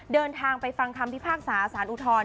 เดินทางไปฟังคำพิพากษาสารอุทธรณ์